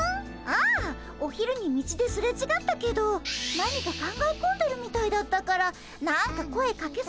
ああお昼に道ですれちがったけど何か考え込んでるみたいだったから何か声かけそびれちゃって。